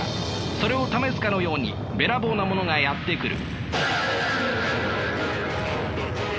それを試すかのようにべらぼうなものがやって来る。